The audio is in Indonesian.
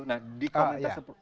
nah di komunitas itu